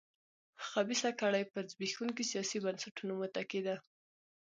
خبیثه کړۍ پر زبېښونکو سیاسي بنسټونو متکي ده.